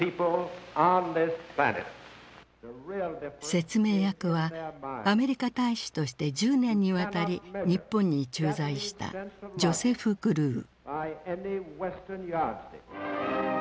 説明役はアメリカ大使として１０年にわたり日本に駐在したジョセフ・グルー。